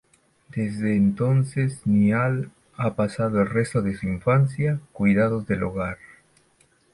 Desde entonces Niall ha pasado el resto de su infancia cuidados del hogar.